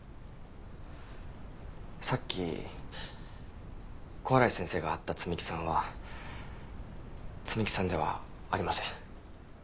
さっき小洗先生が会った摘木さんは摘木さんではありません。